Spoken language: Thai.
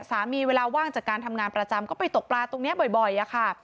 เวลาว่างจากการทำงานประจำก็ไปตกปลาตรงนี้บ่อยอะค่ะ